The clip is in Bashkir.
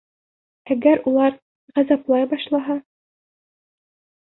Әгәр улар ғазаплай башлаһа...